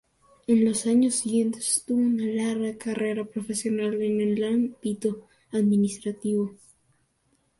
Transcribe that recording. En los años siguientes tuvo una larga carrera profesional en el ámbito administrativo.